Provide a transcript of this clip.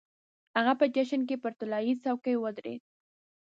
هغه په جشن کې پر طلايي څوکۍ ودرېد.